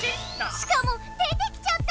しかも出てきちゃった！